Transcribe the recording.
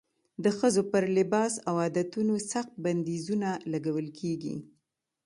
د ښځو پر لباس او عادتونو سخت بندیزونه لګول کېږي.